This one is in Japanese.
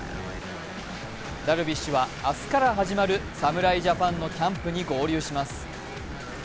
ダルビッシュは明日から始まる侍ジャパンのキャンプに合流します。